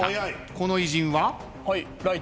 この偉人は？